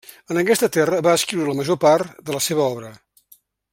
En aquesta terra va escriure la major part de la seva obra.